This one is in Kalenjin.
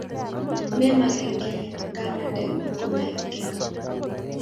memagee kiiy ngamande komaek keny